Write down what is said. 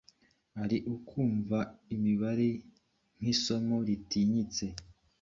ari ukumva imibare nk’isomo ritinyitse